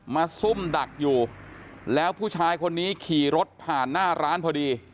ซุ่มดักอยู่แล้วผู้ชายคนนี้ขี่รถผ่านหน้าร้านพอดี